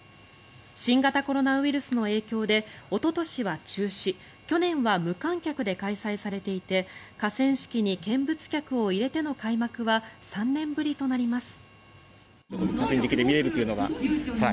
新型コロナウイルスの影響でおととしは中止去年は無観客で開催されていて河川敷に見物客を入れての開幕は３年ぶりとなります。